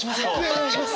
お願いします。